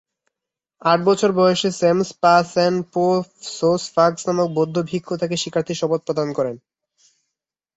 আট বছর বয়সে সেম্স-পা-ছেন-পো-ছোস-'ফাগ্স নামক বৌদ্ধ ভিক্ষু তাকে শিক্ষার্থীর শপথ প্রদান করেন।